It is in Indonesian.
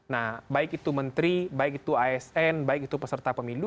nah baik itu menteri baik itu asn baik itu peserta pemilu